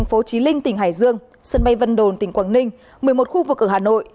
phố trí linh tỉnh hải dương sân bay vân đồn tỉnh quảng ninh một mươi một khu vực ở hà nội